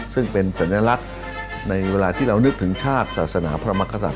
ซึ่งเป็นสัญลักษณ์ในเวลาที่เรานึกถึงชาติศาสนาพระมักษา